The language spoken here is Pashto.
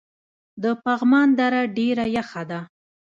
د پغمان دره ډیره یخه ده